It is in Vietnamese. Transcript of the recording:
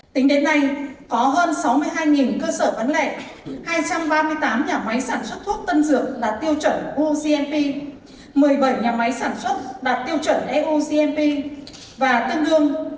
tính đến nay có hơn sáu mươi hai cơ sở bán lẻ hai trăm ba mươi tám nhà máy sản xuất thuốc tân dược là tiêu chuẩn gcmp một mươi bảy nhà máy sản xuất đạt tiêu chuẩn eugp và tương đương